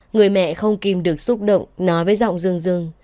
người mẹ không kim được xúc động nói với giọng rừng rừng